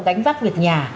đánh vác việc nhà